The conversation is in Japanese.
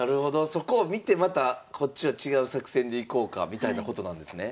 そこを見てまたこっちは違う作戦でいこうかみたいなことなんですね。